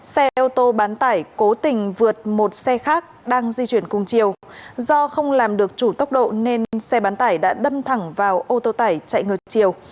xe ô tô bán tải cố tình vượt một xe khác đang di chuyển cùng chiều do không làm được chủ tốc độ nên xe bán tải đã đâm thẳng vào ô tô tải chạy ngược chiều